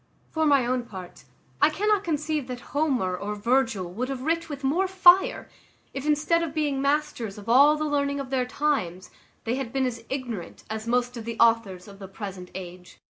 For my own part, I cannot conceive that Homer or Virgil would have writ with more fire, if instead of being masters of all the learning of their times, they had been as ignorant as most of the authors of the present age.